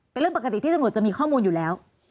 เป็นเรื่องปกติที่ตำรวจจะมีข้อมูลอยู่แล้ว